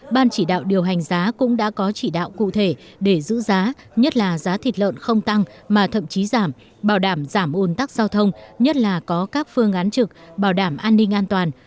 ban chỉ đạo điều hành giá cũng đã có chỉ đạo cụ thể để giữ giá nhất là giá thịt lợn không tăng mà thậm chí giảm bảo đảm giảm ồn tắc giao thông nhất là có các phương án trực bảo đảm an ninh an toàn